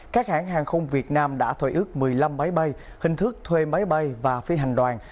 các hãng hàng không việt nam đã thuê ước một mươi năm máy bay hình thức thuê máy bay và phi hành đoàn